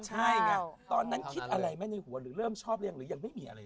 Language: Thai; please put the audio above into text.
ใช่ไงตอนนั้นคิดอะไรไหมในหัวหรือเริ่มชอบหรือยังหรือยังไม่มีอะไรเลย